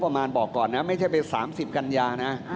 งบองมานบอกก่อนนะว่าไม่ใช่เป็น๓๐กัญญานะ